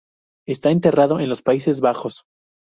Está enterrado en los Países Bajos.